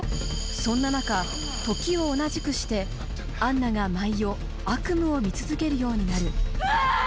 そんな中時を同じくしてアンナが毎夜悪夢を見続けるようになるうわ！